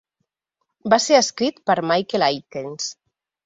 Va ser escrit per Michael Aitkens.